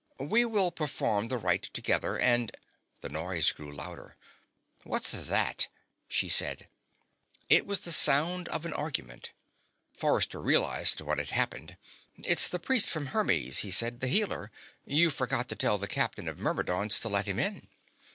"We will perform the rite together and " The noise grew louder. "What's that?" she said. It was the sound of argument. Forrester realized what had happened. "It's the priest from Hermes," he said. "The Healer. You forgot to tell the Captain of Myrmidons to let him in."